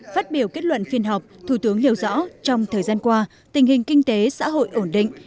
phát biểu kết luận phiên họp thủ tướng nêu rõ trong thời gian qua tình hình kinh tế xã hội ổn định